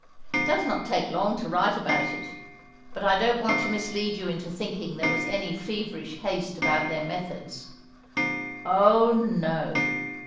It does not take long to write about it, but I don't want to mislead you into thinking there was any feverish haste about their methods. Oh, no!